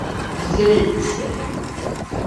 Güzel elbise.